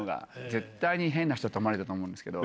絶対に変な人と思われたと思うんですけど。